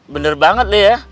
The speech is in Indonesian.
bener banget ya